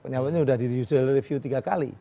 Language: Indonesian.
nyawanya sudah di review tiga kali